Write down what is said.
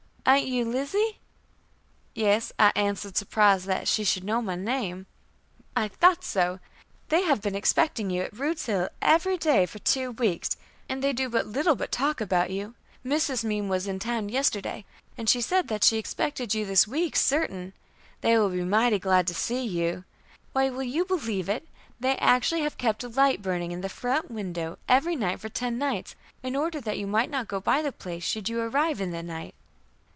"Ain't you Lizzie?" "Yes," I answered, surprised that she should know my name. "I thought so. They have been expecting you at Rude's Hill every day for two weeks, and they do but little but talk about you. Mrs. Meem was in town yesterday, and she said that she expected you this week certain. They will be mighty glad to see you. Why, will you believe it! they actually have kept a light burning in the front window every night for ten nights, in order that you might not go by the place should you arrive in the night."